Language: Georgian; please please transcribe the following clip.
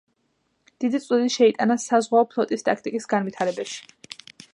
დიდი წვლილი შეიტანა საზღვაო ფლოტის ტაქტიკის განვითარებაში.